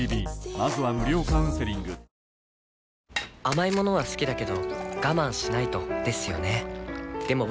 甘い物は好きだけど我慢しないとですよね